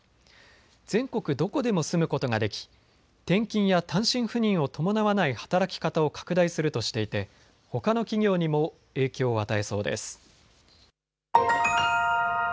全国どこでも住むことができ転勤や単身赴任を伴わない働き方を拡大するとしていてほかの企業にも影響を与えそうです。